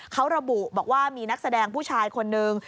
เขาระบุบอกว่ามีนักแสดงผู้ชายคนนึง